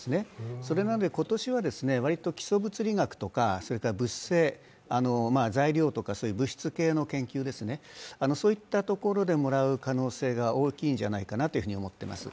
それまで今年は割と基礎物理学とか物性、材料とか物質系の研究でもらえる可能性が大きいんじゃないかなと思っています。